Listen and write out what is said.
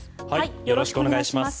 よろしくお願いします。